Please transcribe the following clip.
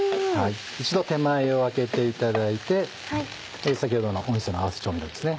一度手前を空けていただいて先ほどのみその合わせ調味料ですね